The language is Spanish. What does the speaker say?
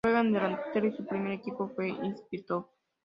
Juega de delantero y su primer equipo fue Ipswich Town.